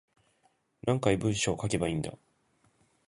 何回文章書けばいいんだ